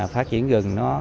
phát triển rừng